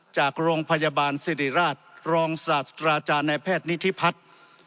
จากโรงพยาบาลสิริราชรองศาสตราจารย์ในแพทย์นิธิพัฒน์